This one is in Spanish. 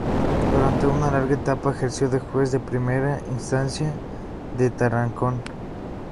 Durante una larga etapa ejerció de juez de Primera Instancia de Tarancón.